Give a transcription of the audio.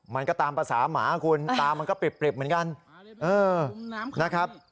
มันก็ตามภาษาหมาคุณตามันก็ปริบเหมือนกันเออนะครับ